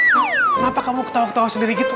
kenapa kamu ketawa ketawa sendiri gitu